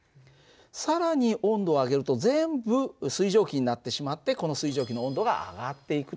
更に温度を上げると全部水蒸気になってしまってこの水蒸気の温度が上がっていくと。